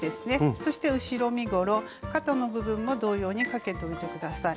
そして後ろ身ごろ肩の部分も同様にかけておいて下さい。